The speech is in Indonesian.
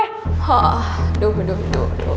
hoh duh duh duh